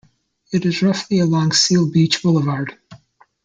It is roughly along Seal Beach Boulevard.